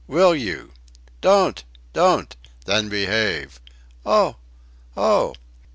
Will you!"... "Don't!... Don't!"... "Then behave."... "Oh! Oh!..."